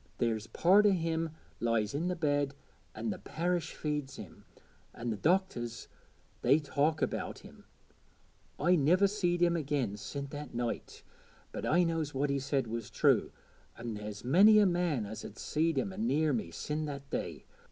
There's part o' him lies i' the bed, an' the parish feeds him, an' the doctors they talk about him. I niver seed him again sin' that night, but I knows what he said was true, an' there's many a man as 'as seed him anear me sin' that day.